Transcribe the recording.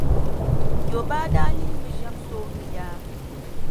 Yobaa daa lihimi ʒɛm sooŋa yaa.